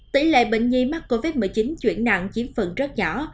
tỷ lệ bệnh nhi mắc covid một mươi chín chuyển nặng chiếm phần rất nhỏ